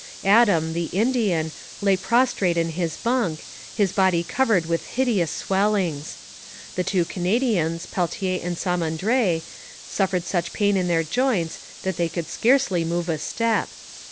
Adam, the Indian, lay prostrate in his bunk, his body covered with hideous swellings. The two Canadians, Peltier and Samandré, suffered such pain in their joints that they could scarcely move a step.